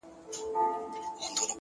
هره هڅه د ځان باور زیاتوي!